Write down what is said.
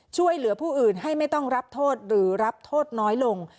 ช่วยเหลือผู้อื่นให้ไม่ต้องรับโทษหรือรับโทษน้อยลง